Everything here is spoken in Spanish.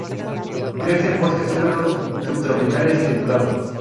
Crece en bosques húmedos, sub-tropicales y templados.